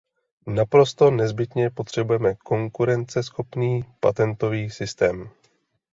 Naprosto nezbytně potřebujeme konkurenceschopný patentový systém.